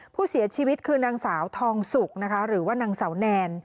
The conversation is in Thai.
ผู้เสียชีวิตคือนางสาวทองสุกนะคะหรือว่านางสาวแนน